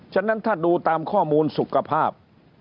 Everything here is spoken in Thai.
ฉะนั้นถ้าดูตามข้อมูลสุขภาพ